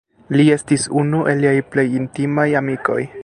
Li estis unu el liaj plej intimaj amikoj.